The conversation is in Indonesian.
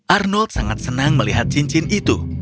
arnold sangat senang melihat cincin itu